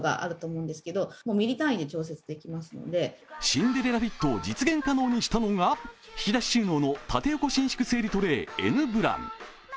シンデラレフィットを実現可能にしたのが、引き出し収納の縦横伸縮整理トレーＮブラン。